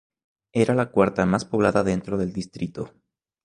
Era la cuarta más poblada dentro del distrito.